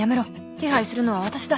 手配するのは私だ」